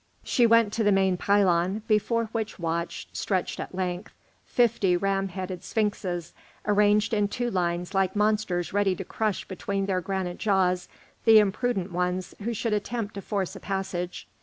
_] She went to the main pylon, before which watched, stretched at length, fifty ram headed sphinxes, arranged in two lines like monsters ready to crush between their granite jaws the imprudent ones who should attempt to force a passage.